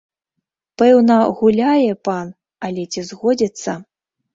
Пэўна, гуляе пан, але ці згодзіцца?